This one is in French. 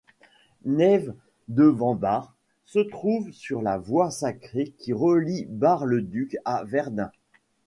Naives-devant-Bar se trouve sur la Voie sacrée qui relie Bar-le-Duc à Verdun.